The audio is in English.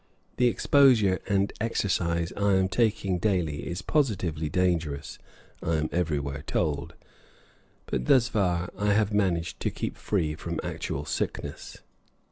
The exposure and exercise I am taking daily is positively dangerous, I am everywhere told, but thus far I have managed to keep free from actual sickness.